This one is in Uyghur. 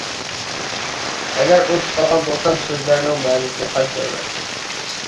ئەگەر ئۇنتۇپ قالغان بولسام سۆزلەرنىڭ مەنىسىنى قايتا كورىمەن.